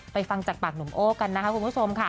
ฟังจากปากหนุ่มโอ้กันนะคะคุณผู้ชมค่ะ